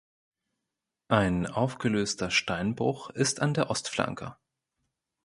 Ein aufgelöster Steinbruch ist an der Ostflanke.